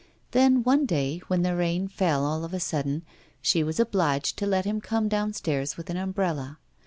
Then, one day when the rain fell all of a sudden, she was obliged to let him come downstairs with an umbrella.